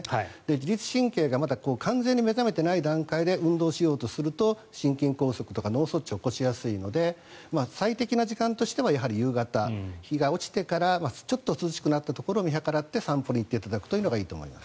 自律神経が完全に目覚めていない段階で運動しようとすると心筋梗塞とか脳卒中を起こしやすいので最適な時間としては夕方日が落ちてからちょっと涼しくなったところを見計らって散歩に行っていただくというのがいいと思います。